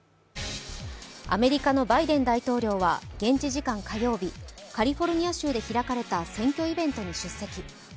アメリカのバイデン大統領は、現地時間火曜日、カリフォルニア州で開かれた選挙イベントに出席。